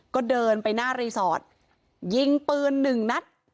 ก็เดินไปหน้ารีสอร์ทยิงปืน๑นัท